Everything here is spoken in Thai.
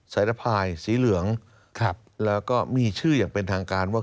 สายระพายสีเหลืองแล้วก็มีชื่ออย่างเป็นทางการว่า